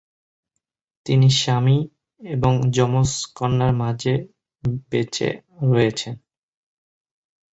তিনি স্বামী এবং যমজ কন্যার মাঝে বেঁচে রয়েছেন।